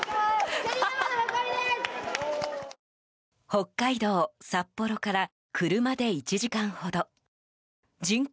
北海道・札幌から車で１時間ほど人口